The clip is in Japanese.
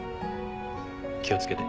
気を付けて。